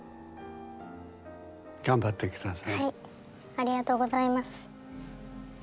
ありがとうございます。